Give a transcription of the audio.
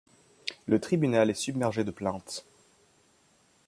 Le tribunal est submergé de plaintes.